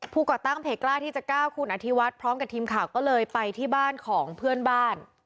ก่อตั้งเพจกล้าที่จะก้าวคุณอธิวัฒน์พร้อมกับทีมข่าวก็เลยไปที่บ้านของเพื่อนบ้าน